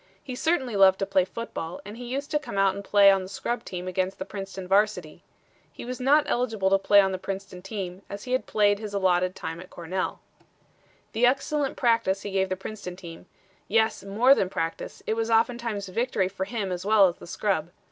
He certainly loved to play football and he used to come out and play on the scrub team against the Princeton varsity. He was not eligible to play on the Princeton team, as he had played his allotted time at Cornell. The excellent practice he gave the Princeton team yes, more than practice: it was oftentimes victory for him as well as the scrub.